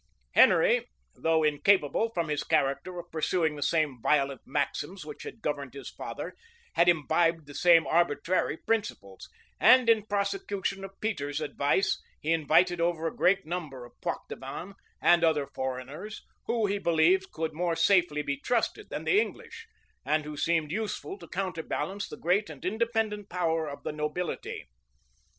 Henry, though incapable, from his character, of pursuing the same violent maxims which had governed his father, had imbibed the same arbitrary principles; and in prosecution of Peter's advice, he invited over a great number of Poictevins and other foreigners, who, he believed, could more safely be trusted than the English, and who seemed useful to counterbalance the great and independent power of the nobility.